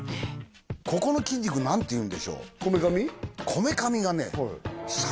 ここの筋肉何ていうんでしょうこめかみ？